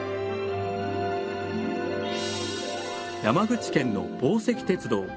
山口県の防石鉄道。